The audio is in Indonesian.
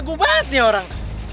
lagu banget nih orang